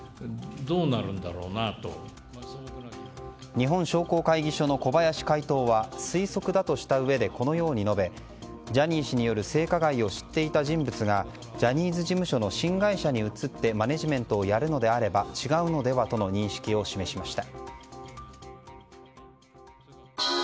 日本商工会議所の小林会頭は推測だとしたうえでこのように述べジャニー氏による性加害を知っていた人物がジャニーズ事務所の新会社に移ってマネジメントをやるのであれば違うのではとの認識を示しました。